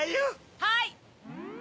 はい！